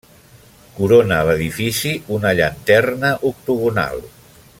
Corona l'edifici una llanterna octogonal.